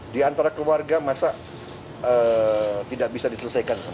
di antara keluarga masa tidak bisa diselesaikan